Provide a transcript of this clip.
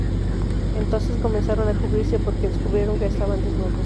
Entonces comenzaron a cubrirse porque descubrieron que estaban desnudos.